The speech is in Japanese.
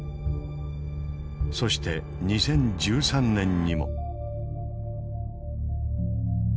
そして２０１３年にも。